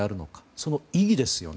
その意義ですよね。